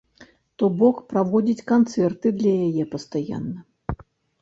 То бок, праводзіць канцэрты для яе пастаянна.